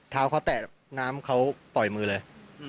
เท้าเขาแตะน้ำเขาปล่อยมือเลย